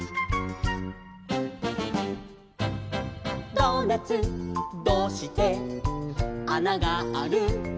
「ドーナツどうしてあながある？」